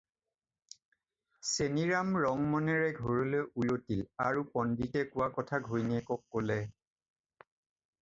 চেনিৰাম ৰং মনেৰে ঘৰলৈ উলটিল আৰু পণ্ডিতে কোৱা কথা ঘৈণীয়েকক ক'লে।